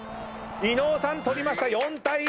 伊野尾さん取りました４対１！